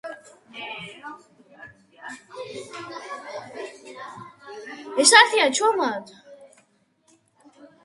მისი მხოლოდ რამდენიმე ნამუშევარი გადარჩა.